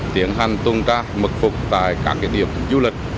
tiến hành tung trác mật phục tại các điểm du lịch